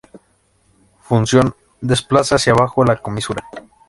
Función: desplaza hacia abajo la comisura.